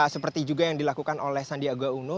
seperti juga yang dilakukan oleh sandiaga uno